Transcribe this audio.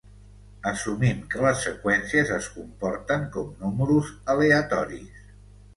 Assumim que les seqüències es comporten com números aleatoris.